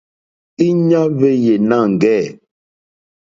Íɲá hwéyè nâŋɡɛ̂.